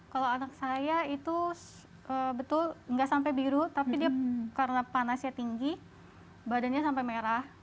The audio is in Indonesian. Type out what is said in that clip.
kalau anak saya itu betul nggak sampai biru tapi dia karena panasnya tinggi badannya sampai merah